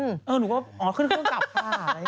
อ๋อขึ้นเครื่องกลับค่ะ